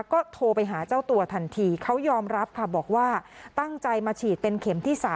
ก็โทรไปหาเจ้าตัวทันทีเขายอมรับค่ะบอกว่าตั้งใจมาฉีดเป็นเข็มที่๓